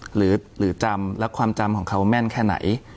หรือจำและความจำของเขาแม่นแค่ไหน